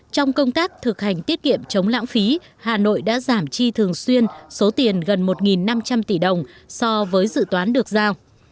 trong công tác thực hành tiết kiệm chống lãng phí hà nội đã giảm chi thường xuyên số tiền gần một năm trăm linh tỷ đồng so với dự toán được giao